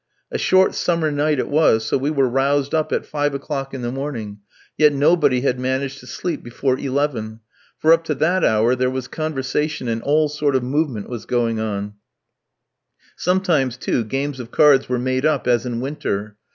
A short summer night it was, so we were roused up at five o'clock in the morning, yet nobody had managed to sleep before eleven, for up to that hour there was conversation and all sort of movement was going on; sometimes, too, games of cards were made up, as in winter.